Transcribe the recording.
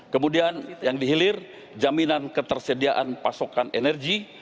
kemudian yang dihilir jaminan ketersediaan pasokan energi